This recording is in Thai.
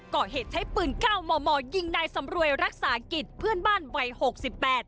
ก่อเหตุใช้ปืนเก้ามอมอยิงนายสำรวยรักษากิจเพื่อนบ้านวัยหกสิบแปด